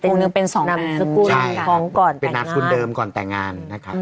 พวงหนึ่งเป็นสองนั้นใช่ของก่อนเป็นนับคุณเดิมก่อนแต่งงานนะครับ